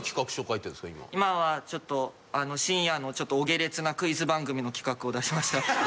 今はちょっと深夜のお下劣なクイズ番組の企画を出しました。